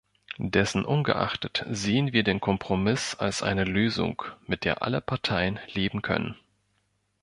Dessenungeachtet sehen wir den Kompromiss als eine Lösung, mit der alle Parteien leben können.